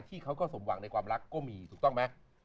เขาก็สมหวังในความรักก็มีถูกต้องไหม